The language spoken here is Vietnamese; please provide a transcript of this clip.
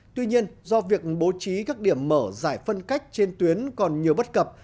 tuy nhiên do việc bố trí các điểm mở giải phân cách trên tuyến còn nhiều bất cập